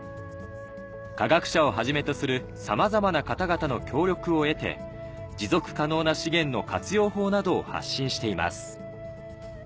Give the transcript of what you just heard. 科学者をはじめとするさまざまな方々の協力を得て持続可能な資源の活用法などを発信しています